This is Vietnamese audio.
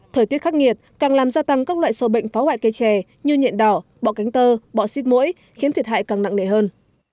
thời tiết khắc nghiệt càng làm gia tăng các loại sâu bệnh phá hoại cây chè như nhện đỏ bọ cánh tơ bọ xít mũi khiến thiệt hại càng nặng nề hơn